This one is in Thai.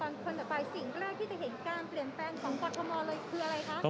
คนต่อไปสิ่งแรกที่จะเห็นการเปลี่ยนแปลงของกรทมเลยคืออะไรคะ